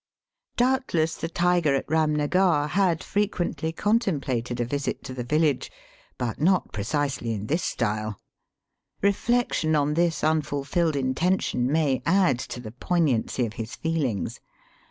Doubtless the tiger at Eamnagar had fre quently contemplated a visit to the village, but not precisely in this style. Eeflection on this unfulfilled intention may add to the poignancy of his feelings.